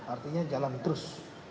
artinya jalan terus